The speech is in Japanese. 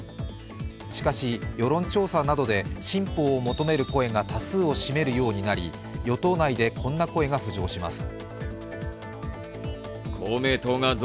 しかし世論調査などで新法を求める声が多数を占めるようになり与党内でこんな声が浮上します。